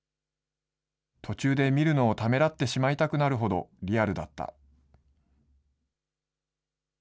途中で見るのをためらってしまいたくなるほどリアルだった。